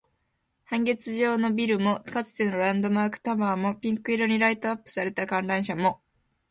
半月状のビルも、かつてのランドマークタワーも、ピンク色にライトアップされた観覧車も